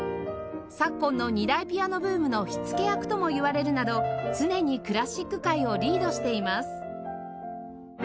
昨今の２台ピアノブームの火付け役ともいわれるなど常にクラシック界をリードしています